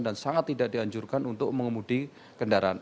dan sangat tidak dianjurkan untuk mengemudi kendaraan